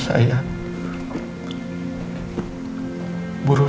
saya mau memaaf